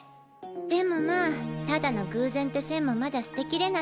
でもまあただの偶然って線もまだすてきれない。